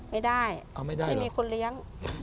ไม่ได้ไม่มีคนเลี้ยง